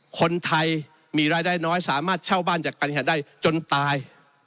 คนไทยมีรายได้น้อยสามารถเช่าบ้านจากการหัดได้จนตาย